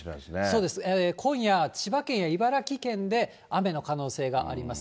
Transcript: そうです、今夜、千葉県や茨城県で雨の可能性があります。